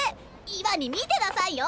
今に見てなさいよ！